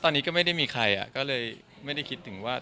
ตอนนี้ไม่ได้มีใคร